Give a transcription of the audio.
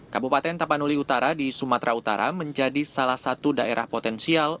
kabupaten tapanuli utara di sumatera utara menjadi salah satu daerah potensial